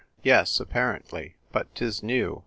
" Yes, apparently. But 'tis new.